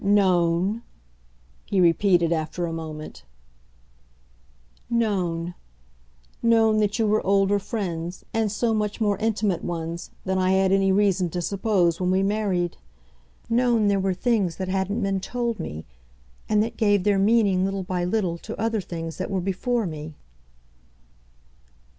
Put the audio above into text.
"Known?" he repeated after a moment. "Known. Known that you were older friends, and so much more intimate ones, than I had any reason to suppose when we married. Known there were things that hadn't been told me and that gave their meaning, little by little, to other things that were before me."